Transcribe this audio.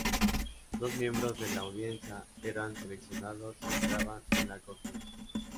Dos miembros de la audiencia eran seleccionados y entraban en la cortina.